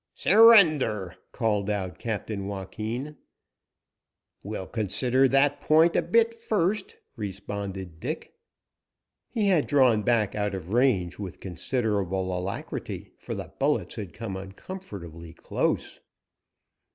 "Surrender!" called out Captain Joaquin. "We'll consider that point a bit first," responded Dick. He had drawn back out of range with considerable alacrity, for the bullets had come uncomfortably close.